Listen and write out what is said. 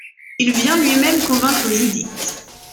Il vient lui-même convaincre Judith.